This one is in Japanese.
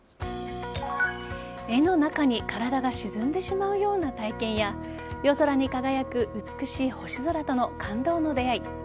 絵の中に体が沈んでしまうような体験や夜空に輝く美しい星空との感動の出会い。